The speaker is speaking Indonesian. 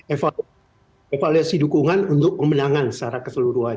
evaluasi dukungan untuk pemenangan secara keseluruhan